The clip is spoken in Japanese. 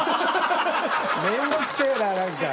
面倒くせぇな何か。